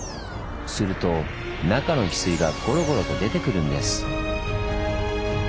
すると中のヒスイがゴロゴロと出てくるんです。